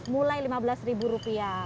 mulai lima belas rupiah